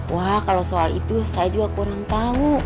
wah kalau soalnya